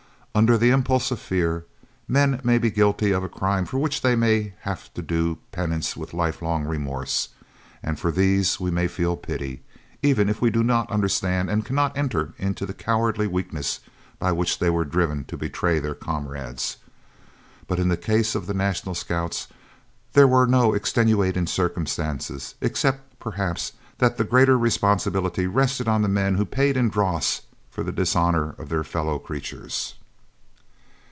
Under the impulse of fear men may be guilty of a crime for which they may have to do penance with lifelong remorse, and for these we may feel pity, even if we do not understand and cannot enter into the cowardly weakness by which they were driven to betray their comrades. But in the case of the National Scouts there were no extenuating circumstances except perhaps that the greater responsibility rested on the men who paid in dross for the dishonour of their fellow creatures.